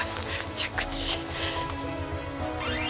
着地。